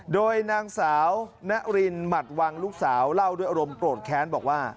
โดยนางสาวนรินหมัดวังลูกสาวเล่าด้วยอารมณ์โกรธแค้นบอกว่า